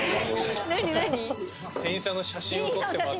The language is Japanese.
店員さんの写真撮ってる何何？